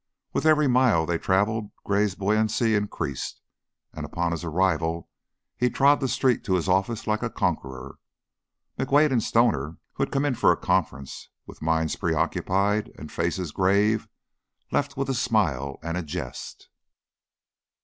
With every mile they traveled Gray's buoyancy increased and upon his arrival he trod the street to his office like a conqueror. McWade and Stoner, who came in for a conference with minds preoccupied and faces grave, left with a smile and a jest.